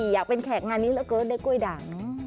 อยากเป็นแขกงานนี้เหลือเกินได้กล้วยด่าง